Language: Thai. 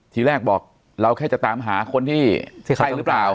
ทีแรกบอกเราแค่จะตามหาคนที่ใช่หรือเปล่า